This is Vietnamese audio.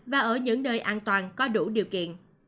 và ở những nơi an toàn có đủ điều kiện